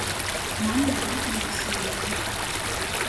Maņ vajag nesieja!